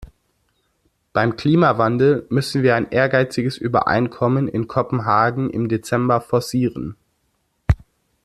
Beim Klimawandel müssen wir ein ehrgeiziges Übereinkommen in Kopenhagen im Dezember forcieren.